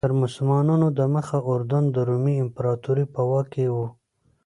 تر مسلمانانو دمخه اردن د رومي امپراتورۍ په واک کې و.